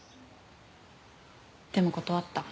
でも断った。